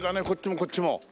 こっちもこっちも。